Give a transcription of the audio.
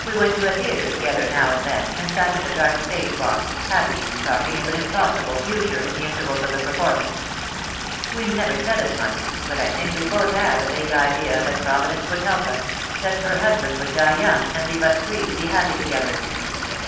I 2 1 94 THE DAY WILL COME. to a theatre together now and then, and sat in a dark stage box, happy, talking of an impossible future in the intervals of the performance. We never said as much, but I think we had both a vague idea that Providence would help us — that her husband would die young, and leave us free to be happy together.